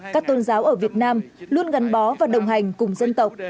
các tôn giáo ở việt nam luôn gắn bó và đồng hành cùng dân tộc